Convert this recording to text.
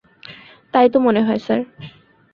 তাই তো মনে হয়, স্যার।